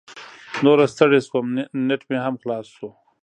نوره ستړې شوم، نیټ مې هم خلاص شو.